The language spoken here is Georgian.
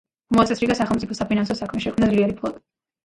მოაწესრიგა სახელმწიფო საფინანსო საქმე, შექმნა ძლიერი ფლოტი.